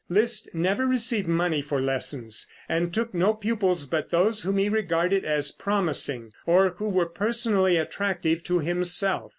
Liszt never received money for lessons, and took no pupils but those whom he regarded as promising, or who were personally attractive to himself.